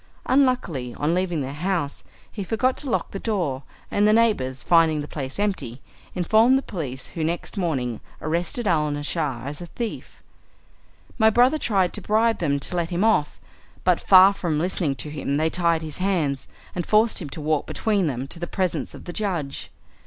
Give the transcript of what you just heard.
Unluckily, on leaving the house, he forgot to lock the door, and the neighbours, finding the place empty, informed the police, who next morning arrested Alnaschar as a thief. My brother tried to bribe them to let him off, but far from listening to him they tied his hands, and forced him to walk between them to the presence of the judge.